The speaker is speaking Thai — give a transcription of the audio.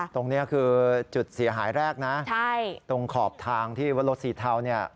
ตรงนี้คือจุดเสียหายแรกนะตรงขอบทางที่ว่ารถสีเทาเนี่ย